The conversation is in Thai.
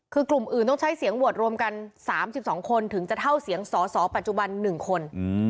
คือกลุ่มอื่นต้องใช้เสียงโหวตรวมกัน๓๒คนถึงจะเท่าเสียงสอสอปัจจุบัน๑คน